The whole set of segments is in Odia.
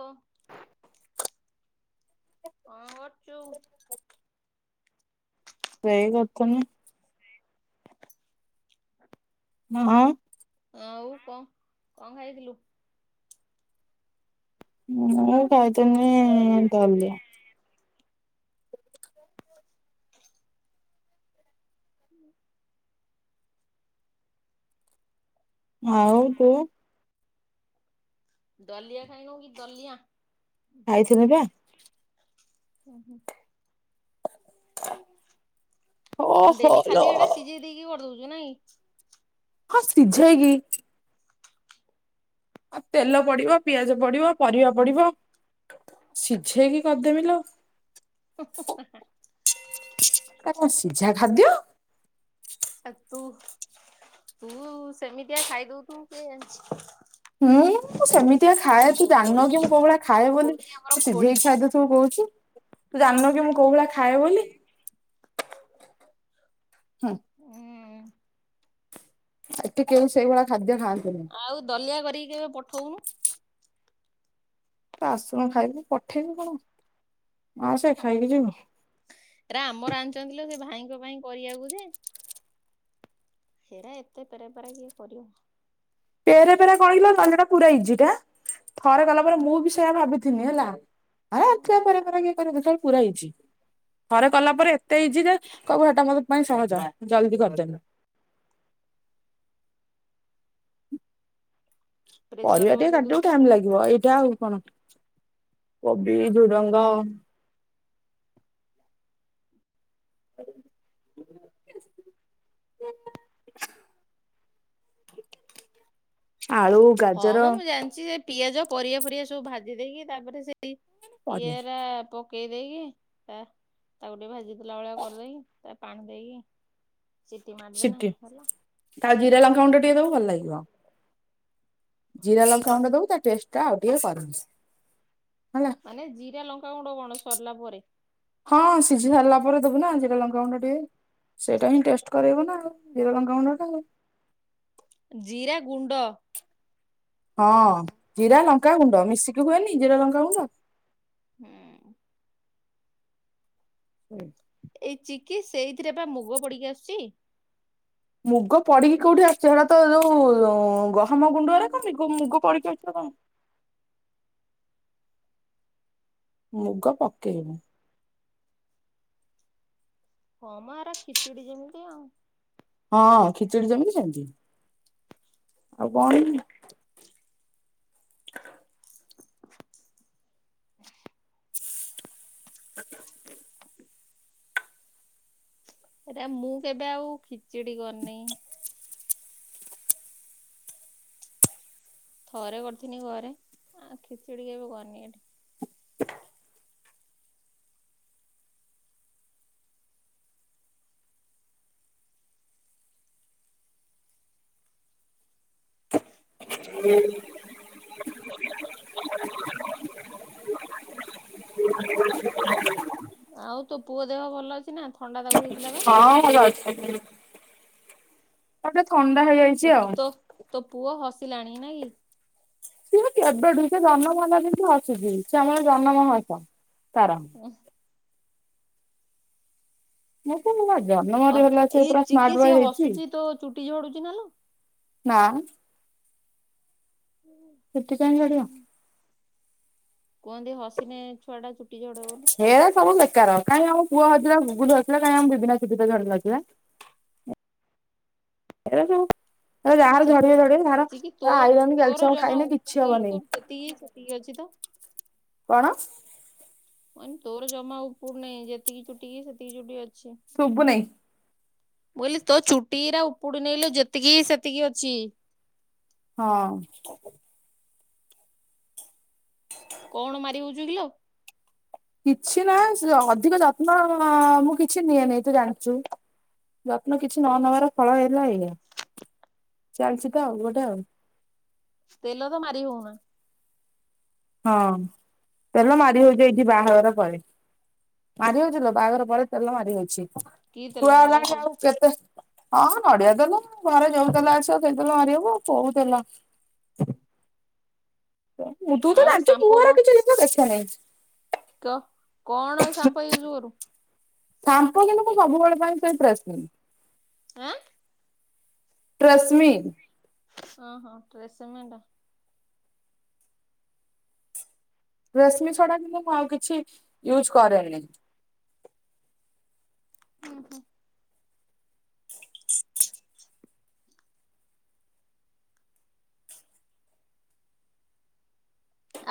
ହୋଉ। ଙ୍କ କର୍ଚୁ? ଏଇ କଥା ନି ହଁ। ଆଉ କଣ କଣ ଖାଇଥିଲୁ? ମୁଁ ଖାଇଥିନି ହୁଁ ଉଁ ତାଲେ ହୁଁ [inaudible] ଆଉ ତୁ? ଦଲିଆ ଖାଇବୁକି ଦଲିଆ? ଖାଇଥିନି ବା। ଓ ହୋ [inaudible] ହ [inaudible] କନ ଡେଲି ଖାଲି ଏଡା ସିଝେଇ ଦେଇିକି କର୍ ଦୌଚୁ। କି ନାଇ। ହଁ ସିଝେଇକି ଆଉ ତେଲ ପଡିବ ପିଆଜ ପଡିବ ପରିବା ପଡିବ ସିଝେଇକି କରିଦେମି ଲ। ହୁଁ ହୁଁ ହ୍ମ ହ୍ନା। ଏ ଙ୍କ ସିଝା ଖାଦ୍ୟ? ଆ ତୁ ତୁ ସେମିତିଆ ଖାଇଦଉ ତୁ କେ ଜାଣିଚି। ହୁଁ ମୁଁ ସେମିତିଆ ଖାଏ ତୁ ଜାଣନୁ କି ମୁଁ କୋଉ ଭଳିଆ ଖାଏ ବୋଲି ଖୋଡି ଆମର ତ ଖୋଡି ସିଝେଇ ଖାଇଦେଥିବୁ କହୁଛୁ। ତୁ ଜାଣିନୁ କି ମୁଁ କୋଉ ଭଳିଆ ଖାଏ ବୋଲି। ହୁଁ। ହୁଁ ଏଠୀ କେଉ ସେଇଭଳିଆ ଖାଦ୍ୟ ଖାଆନ୍ ଆଉ ଦଲିଆ କରିକି କେବେ ପଠଉନୁ। ତୁ ଆସନୁ ଖାଇବୁ ପଠେଇବି କଣ ଆ ସେ ଖାଇକି ଯିବୁ। ଇରା ଆମର ଆନ ଚନ୍ତି ସେ ଭାଇଙ୍କ ପାଇଁ କରିଆକୁ ଯେ। ହେରା ଏତେ ପେରାପେରା କିଏ କରିବ? ପେରେ ପେରା କଣ କିଲୋ ସନ୍ଦିରେ ପୁରେଇଜି ବା ଥରେ ଗଲା ପରେ ମୁଁ ବି ସେଇୟା ଭାବିଥିନି ହେଲା। ଆ ଅଥିଆପରେ ପରେ କିଏ କରିବୁ ଯାଇ। ପୁରା ହେଇଛି ଥରେ କଲା ପରେ ଏତେ ହେଇଛି ଯେ କଇବ ଏଟା ମୋ ପାଇଁ ସହଜଆ ଜଲ୍ଦୀ କର୍ ଦେମି ପରିବା ପ୍ରେସରରେ ଟିକେ ବସେଇ କାଟିଦବୁ ଦଉଥିବ ଟାଇମ୍ ଲାଗିବ ଏଇଟା ଆଉ କଣ କୋବି ଝୁଡଙ୍ଗ [inaudible] ଗାଜର ହଁମ ମୁଁ ଜାଣିଛି ଏଇ ପିଆଜ ପରିଆ ପରିଆ ସବୁ ଭାଜି ଦେଇକି ତାପରେ ସେ ପରିବା ଏରା ପ ପକେଇ ଦେଇକି ତା ତାକୁ ଟିକେ ଭାଜି ଦେଲା ଭଳିଆ କରିଦେଇକି ତା ପାଣି ଦେଇକି ସିଟି ମାରିଦେଲେ ସେଠି ହେଲା। ତା ଜିରା ଲଙ୍କା ଗୁଣ୍ଡା ଟିକେ ଦବୁ ଭଲ ଲାଗିବ। ଜିରା ଲଙ୍କା ମୁଣ୍ଡ ଦବ ତା ଟେଷ୍ଟ ଟା ଆଉ ଟିକେ କର ହେଲା [inaudible] ମାନେ ଜିରା ଲଙ୍କାଗୁଣ୍ଡ କଣ ସରିଲା ପରେ ହଁ ସିଝି ସାରିଲା ପରେ ଦେବୁ ନା। ହ ଲଙ୍କାଗୁଣ୍ଡ ଟିକେ ସେଇଟା ହିଁ ଟେଷ୍ଟ କରବ ନା ଜିରା ଲଙ୍କାଗୁଣ୍ଡ ଟା। ଜିରା ଗୁଣ୍ଡ। ହଁ ଜିରା ଲଙ୍କାଗୁଣ୍ଡ ମିଶିକି ହୁଏନି ଜିରା ଲଙ୍କାଗୁଣ୍ଡ। ହୁଁ। ହୁଁ। ଏଇ ଚିକି ସେଇଥିରେ ବା ମୁଗ ପଡିକି ଆସୁଛି। ମୁଗ ପଡିକି କୋଉଠି ଆସୁଛି ସେଟା ତ ଯୋଉ ଗହମ ଗୁଣ୍ଡରେ କି ମୁଗ ପଡିକି ଆସୁଛି କଣ। ମୁଗ ପକେଇନ। ହଁମ ଏରା ଖିଚୁଡି ଯେମିତି ଆଉ। ହଁ ଖିଚୁଡି ଜମିିକି ସେମତି ଆଉ କଣ। [inaudible] [inaudible] [inaudible] ଏଟ ମୁଁ କେବେ ଆଉ ଖିଚୁଡି କରିନି। ଥରେ କରିିନି ଘରେ ଆ ଖିଚୁଡିିକେବେ କରିନି ଏଠି। ହୁଁ। ଆଉ ତୋ ପୁଅ ଦେହ ଭଲ ଅଛି ନା ଥଣ୍ଡା ତାକୁ ହେଇ ହଁ ଭଲ ଅଛି। ପଟ ଥଣ୍ଡା ହେଇଯାଇଛି ଆଉ। ଲଣି ନା କି। କେବେଠୁ ସେ ଜନ୍ମ ମହଲା କିତି ଆସୁଛି ସେ ଆମର ଜନ୍ମହସ। ତାରାମ। ମତେ ଅ ଜନ୍ମରେ ହେଲା ଛୁଆ ସେ ପୁରା ସ୍ମାଟ ବୟ ହେଇଛି। ରୁଟି ଯୋଡୁଛି ନା ଲୋ। ନାଁ। ଚୁଟି କାଇଁ ଝାଡ଼ିବ। କୁହନ୍ତି ହସି ନେ ଛୁଆ ଟା ଚୁଟି ଝଡେ ବୋଲି ହେ ସବୁ ବେକାର କାଇଁ ଆଉ ପୁଅ ହଉଥିଲା ଗୁଗୁନା ହେଇଥିଲା କାଇଁ ଆମ ବେବେନା ଚୁଟି ଝଡି ନଥିଲା। ଏ ସବୁ ଆ ଯାହାର ଚି ଝଡିବେ ଝଡିବେ ଯାହାର ଚିକି ତୋ ଆଇରନ୍ ତୋର କ୍ୟାଲସିୟମ ଜମା ଖାଇଲେ କିଛି ଉପି ନି ହବନି ତୋର ଯେତିକି ସେତିକି ଅଛି ତ। କଣ। କଇନି ତୋର ଜମା ଉପୁଡୁନି ଯେତିକି ଚୁଟି କିି ସେତିକି ଚୁଟି ଅ ଶୁଭୁ ନେଇ ମୁଁ କଇଲି ତୋ ଚୁଟିଗୁରା ଉପୁଡ଼ୁନେଇଲୋ ଯେତିକି କି ସେତିକି ଅଛି। ହଁ। ଲୋ। [unintelligible] କିଛି ନାଇ ଅଧିକ ଯତ୍ନ ମୁଁ କିଛି ନିଏନି ତୁ ଜାଣିଛୁ ଯତ୍ନ କିଛି ନ ନବାର ଫଳ ହେଲା ଏଇଆ ଚାଲିଛି ତ ଆଉ ଗୋଟେ ଆଉ। ତେଲ ତ ମାରି ହଉନା। ହଁ ତେଲ ମାରି ହଉଛି ଏଇଠି ବାହାଘର ପରେ। ମାରି ହଉଛିଲୋ ବାହାଘର ପରେ ତେଲ ମାରି ହଉଛି।। କି ତେଲ ଛୁଆ ନଡିଆ ହେଲାଣି ତେଲ। ଆଉ କେତେ ହଁ ନଡିଆ ତେଲ ଘରେ ଯୋଉ ତେଲ ଆସିବ ସେଇ ତେଲ ମାରିହବୁ ଆଉ କୋଉ ତେଲ। ତୁ ତ ଆଉ ଜାଣିଛୁ ମୁ ସାମ୍ପୋ ଏଗୁରା କଣ କିଛି ଜିନିଷ ଦେଖ ନେଇ। କ କଣ ସାମ୍ପ ଇଉଜ୍ କରୁ? ସାମ୍ପ କିନ୍ତୁ ମୁଁ ସବୁବେଳେ ପାଇଁ ସେ ଟ୍ରେସ ମି଼। ଆଁ। ଟ୍ରେସମି଼ ଓ ହୋ ଟ୍ରେସମି ଟା ଟ୍ରେସ ମି଼ ଛଡା କିନ୍ତୁ ମୁଁ ଆଉ କିଛି ଇଉଜ୍ କରେନି। ଉଁ ହୁଁ।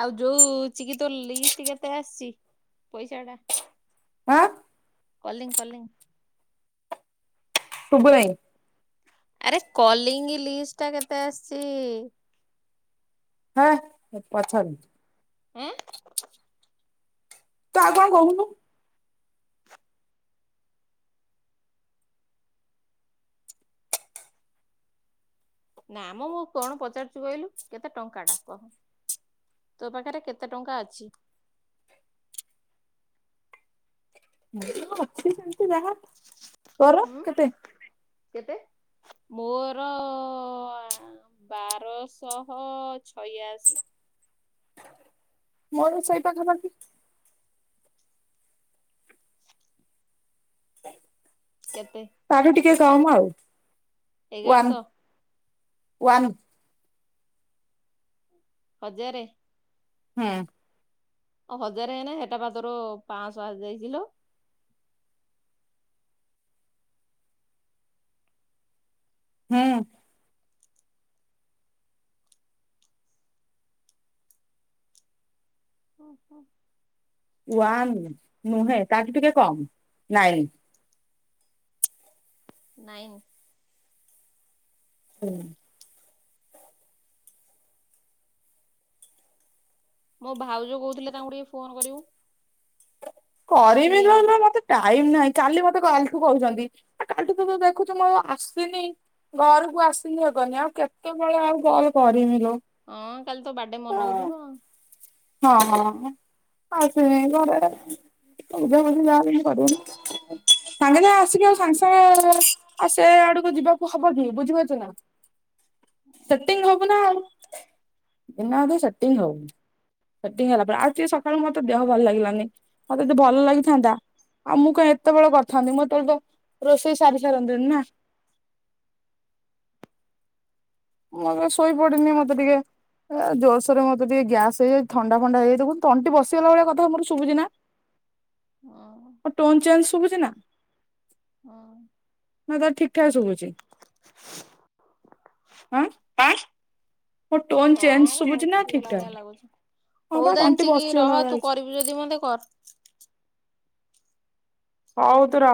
ଆଉ ଯୋଉ ଚିକି ତୋ ଲିଷ୍ଟ କେତେ ଆସିଚ ପଇସା ଟା ଆଁ। Calling calling. ଶୁଭୁ ନେଇ। ଆରେ କଲିଙ୍ଗ୍ ଲିଷ୍ଟ୍ ଟା କେତେ ଆସିଛି। ହେ ପଛାରନି ଏଁ। ତୁ ଆଉ କଣ କହୁନୁ। ନା ମ ମୁଁ କଣ ପଚାରୁଛି କହିଲୁ କେତେ ଟଙ୍କା ଟା କହ ତୋ ପାଖରେ କେତେ ଟଙ୍କା ଅଛି। ଅଛି ସେ [unintelligible] ଯାହା ତୋର ହୁଁ କେତେ କେତେ ମୋର ବାରଶହ ଛୟାଅଶୀ। ମୋର ଶୋଇ ପାଖା ପାଖି [unintelligible] କେତେ ତାଠୁ ଟିକେ କମ୍ ଆଉ ଏଗାର ୱାନ ଶ। ୱାନ। ହଜାରେ। ହୁଁ। ହଜାରେ ହେନେ ସେଟା ବା ତୋର ପାଞ୍ଚଶହ ଆସିଯାଇଛି ଲୋ। ହୁଁ। ଓ ହୋ। ୱନ୍ ନୁହେଁ ତାଠୁ ଟିକେ କମ୍ ନାଇଁ।। ନାଇନ୍। ହୁଁ। ମୋ ଭାଉଜ କହୁଥିଲେ ତାଙ୍କୁ ଟିକେ ଫୋନ କରିବୁ। ଫ୍ରି କରିବି ନୁ ଏଇନେ ତ ନୁ ମତେ ଟାଇମ ନାହିଁ କାଲି ମତେ ମେ କାଲିଠୁ କହୁଛନ୍ତି ଆଉ କାଲିଠୁ ତ ତ ଦେଖୁଛୁ ମୁଁ ଆଉ ଆସିନି ଘରକୁ ଆସିିକି ଏକଲି ଆଉ କେତେବେଳେ ଆଉ କଲ କରିମି ଲୋ ହଁ କାଲି ତ ବାଡେ ମନଉଥିଲୁ ଆଉ ହଁ ହଁ ଆସ ଘର ଉଦା ଉି ଯା ପ ସାଙ୍ଗେ ଯ ଆସିକି ଆଉ ସାଙ୍ଗେ ସାଙ୍ଗେ ଆଉ ସେ ଆଡକୁ ଯିବା ହବ କି ବୁଝିପାରୁଛ ନା ସେଟିଂ ହବୁନା ଆଉ ଦିନେ ଅଧେ ନା ସେଟିଂ ହବୁ। ସେଟିଙ୍ଗ ହେଲା ପରେ ଆଉ ଟ ସକାଳୁ ମୋତେ ଦେହ ଭଲ ଲାଗିଲାନି ମତେତେ ଭଲ ଲାଗିଥାନ୍ତା ଆଉ ମୁଁ କଣ ଏତେବେଳେ କରିଥାନ୍ତି ମୁଁ ତେବେ ତ ରୋଷେଇ ସାରି ସାରନ୍ତିନି ନାଁ। ମୁଁ ଏ ଶୋଇ ପଡିନି ମତେ ଟିକେ ଜୋରସୋରେ ମତେ ଟିକେ ଗ୍ୟାସ ହେଇଯାଇ ଥଣ୍ଡା ଫଣ୍ଡା ହେଇଯାଇଛି ତଣ୍ଟି ବସିଗଲା ଭଳିଆ କଥା ମୋର ଶୁଭୁଛି ନାଁ। ହଁ ଓ ଟୋନ ଚେନ୍ସ ଶୁଭୁଛି ନାଁ। ହଁ। ହଁ ତ ଠିକଠାକ ଶୁଭୁଛି। ଆଁ ମୋ ଟୋନ କଣ ଚେଞଶୁଭୁଛି ନା ବସିଗଲା ଭଳିଆ ଠିକଠାକ ଲାଗୁଛି। ହଁ ହଉ ବା ତାହେଲେ ତଣ୍ଟି ଚିକି ରହ ବସିଗଲା ଭଳିଆ ତୁ ହେଇଚି। କରିବୁ ଯଦି ମତେ କର। ହୋଉ ତୁ ର।